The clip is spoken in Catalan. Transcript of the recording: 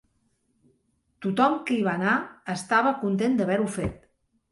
Tothom qui hi va anar estava content d'haver-ho fet.